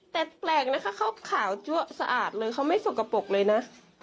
แต่แปลกนะคะเขาขาวจั๊วสะอาดเลยเขาไม่สกปรกเลยนะ